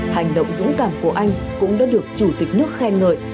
hành động dũng cảm của anh cũng đã được chủ tịch nước khen ngợi